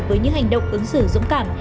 với những hành động ứng xử dũng cảm